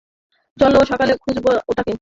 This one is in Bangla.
চলো, সকালে খুঁজব ওটাকে।